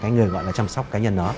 người gọi là chăm sóc cá nhân đó